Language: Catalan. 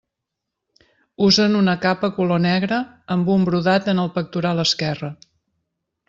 Usen una capa color negre amb un brodat en el pectoral esquerre.